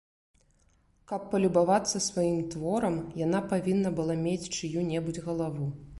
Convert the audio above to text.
Каб палюбавацца сваім творам, яна павінна была мець чыю-небудзь галаву.